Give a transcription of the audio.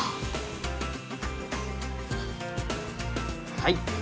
はい！